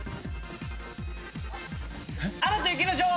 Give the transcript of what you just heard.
『アナと雪の女王